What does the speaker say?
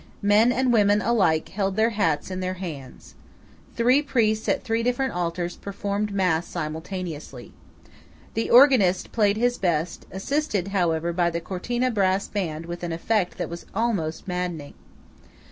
Men and women alike held their hats in their hands. Three priests at three different altars performed mass simultaneously. The organist played his best, assisted, however, by the Cortina brass band with an effect that was almost maddening.